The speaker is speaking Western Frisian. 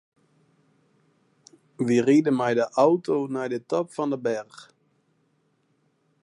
Wy ride mei de auto nei de top fan de berch.